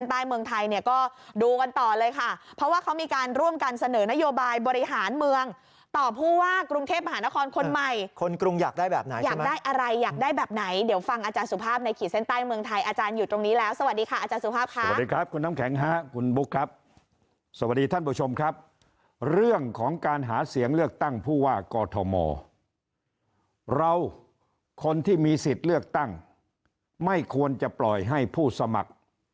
ในคีย์เซ็นต์ใต้เมืองไทยเนี่ยก็ดูกันต่อเลยค่ะเพราะว่าเขามีการร่วมกันเสนอนโยบายบริหารเมืองต่อผู้ว่ากรุงเทพมหานครคนใหม่คนกรุงอยากได้แบบไหนอยากได้อะไรอยากได้แบบไหนเดี๋ยวฟังอาจารย์สุภาพในคีย์เซ็นต์ใต้เมืองไทยอาจารย์อยู่ตรงนี้แล้วสวัสดีค่ะอาจารย์สุภาพค่ะสวัสดีครับคุณ